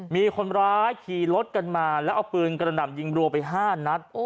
มีคนร้ายขี่รถกันมาแล้วเอาปืนกระหน่ำยิงรัวไป๕นัด